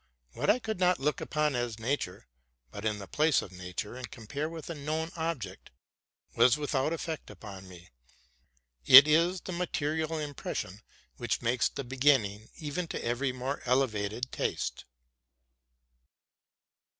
What I could not look upon as nature, put in the place of nature, and compare with a known object, was without effect upon me. It is the material impression which makes the beginning even to every more elevated taste.